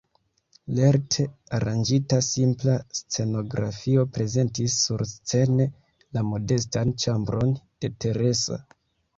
Lerte aranĝita simpla scenografio prezentis surscene la modestan ĉambron de Teresa.